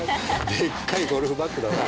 でっかいゴルフバッグだな。